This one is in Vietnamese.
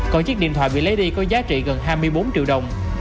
còn chiếc điện thoại bị lấy đi có giá trị gần hai mươi bốn triệu đồng